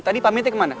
tadi pamitnya kemana